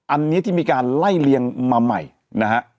อันนี้ที่มีการไล่เลียงมาใหม่นะฮะ